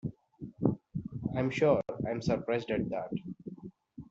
I'm sure I'm surprised at that.